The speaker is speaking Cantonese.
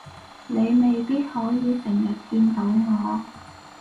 你未必可以成日見到我